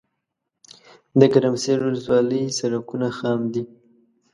دګرمسیر ولسوالۍ سړکونه خام دي